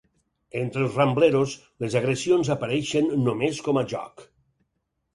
Entre els Rambleros, les agressions apareixien només com a joc.